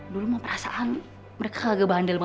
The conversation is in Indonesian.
dulu mau perasaan mereka agak bandel banget